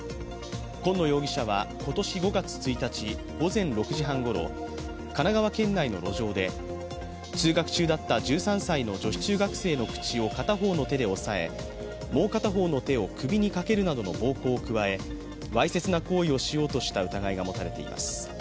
今野容疑者は今年５月１日午前６時半ごろ、神奈川県内の路上で通学中だった１３歳の女子中学生の口を片方の手で押さえ、もう片方の手を首にかけるなどの暴行を加えわいせつな行為をしようとした疑いが持たれています。